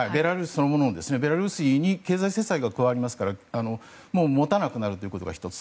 ベラルーシに経済制裁が加わりますからもう持たなくなるということが１つ。